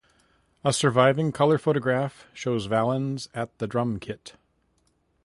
A surviving color photograph shows Valens at the drum kit.